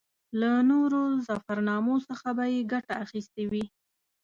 له نورو ظفرنامو څخه به یې ګټه اخیستې وي.